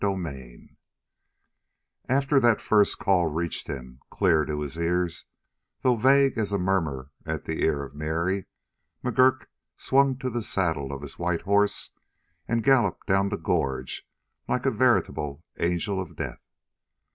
CHAPTER 37 After that call first reached him, clear to his ears though vague as a murmur at the ear of Mary, McGurk swung to the saddle of his white horse, and galloped down the gorge like a veritable angel of death.